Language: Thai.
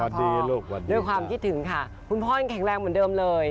สวัสดีด้วยค่ะอทอมด้วยความคิดถึงค่ะคุณพ่อยังแข็งแรงเหมือนเดิมเลย